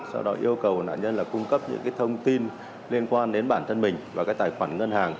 sau đó yêu cầu nạn nhân là cung cấp những cái thông tin liên quan đến bản thân mình và cái tài khoản ngân hàng